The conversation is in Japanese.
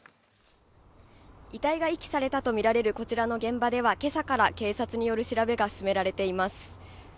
遺体が遺棄されたとみられるこちらの現場ではけさから警察による調べが進められています。